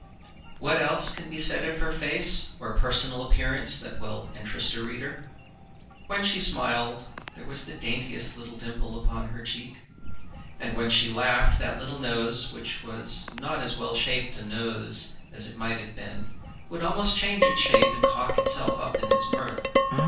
What else can be said of her face or personal appearance that will interest a reader? When she smiled, there was the daintiest little dimple on her cheek. And when she laughed, that little nose, which was not as well shaped a nose as it might have been, would almost change its shape and cock itself up in its mirth.